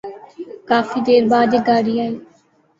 کافی دیر بعد ایک گاڑی آئی ۔